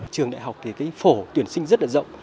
trường đại học thì phổ tuyển sinh rất rộng